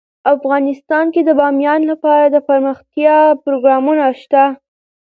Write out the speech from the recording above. افغانستان کې د بامیان لپاره دپرمختیا پروګرامونه شته.